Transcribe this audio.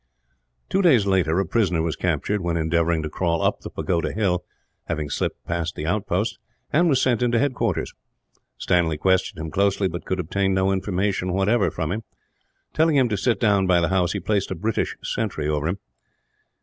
Two days later a prisoner was captured, when endeavouring to crawl up the pagoda hill having slipped past the outposts and was sent into headquarters. Stanley questioned him closely; but could obtain no information, whatever, from him. Telling him to sit down by the house, he placed a British sentry over him.